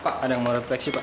pak ada yang mau refleksi pak